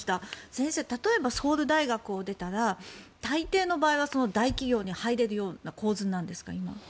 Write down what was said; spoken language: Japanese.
先生、例えばソウル大学を出たら大抵の場合は大企業に入れるような構図なんですか？